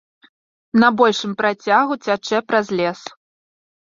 На большым працягу цячэ праз лес.